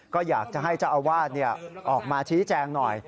ก็อยากจะให้เจ้าอาวาสออกมาชี้แจงหน่อย